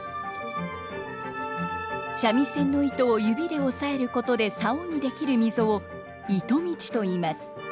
三味線の糸を指で押さえることで棹に出来る溝を糸道といいます。